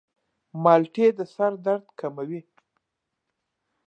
مالټې د سر درد کموي.